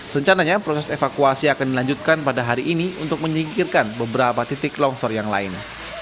rencananya proses evakuasi akan dilanjutkan pada hari ini untuk menyingkirkan beberapa titik longsor yang lain